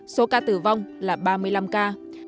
số ca tử vong là ba mươi năm ca